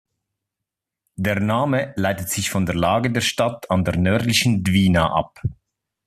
Der Name leitet sich von der Lage der Stadt an der Nördlichen Dwina ab.